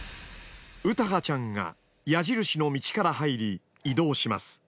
詩羽ちゃんが矢印の道から入り移動します。